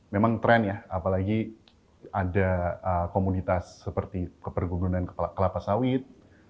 memang tren ya apalagi ada komunitas seperti kepergunungan dan kelapa sawit